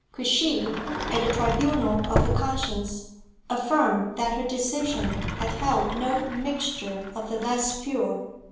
Could she, at the tribunal of her conscience, affirm that her decision had held no mixture of the less pure?